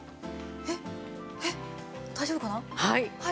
えっえっ大丈夫かな？